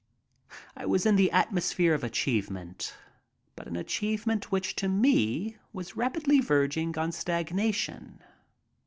I was in the atmosphere of achievement, but an achievement which, to me, was rapidly verging on stagnation.